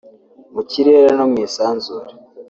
mu kirere no mu isanzure